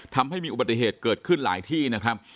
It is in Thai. ทำให้มีอุบัติเหตุเกิดขึ้นหลายที่นะครับ